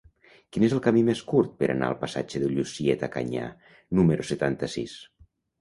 Quin és el camí més curt per anar al passatge de Llucieta Canyà número setanta-sis?